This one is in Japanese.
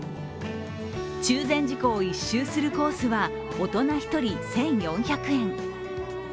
中禅寺湖を１周するコースは、大人１人１４００円。